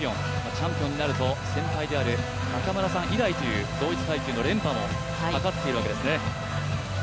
チャンピオンになると先輩である中村さん以来の同一階級の連覇もかかっているわけですね。